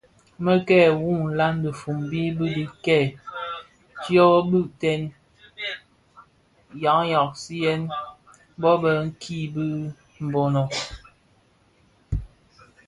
Merke wu nlan dhifombi di kibèè dyo bigtèn nghaghasiyen bon bë nki di Mbono.